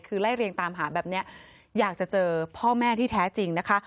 คือไล่เรียงตามหาแบบนี้อยากจะเจอพ่อแม่ที่แท้จริงนะคะ